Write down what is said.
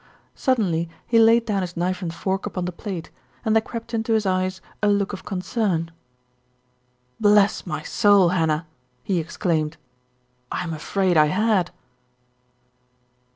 Suddenly he laid down his knife and fork upon the plate, and there crept into his eyes a look of concern. "Bless my soul, Hannah !" he exclaimed, "Fm afraid I had."